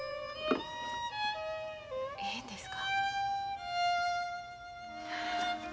ええんですか？